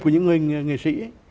của những người nghệ sĩ ấy